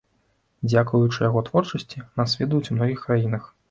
Дзякуючы яго творчасці нас ведаюць у многіх краінах.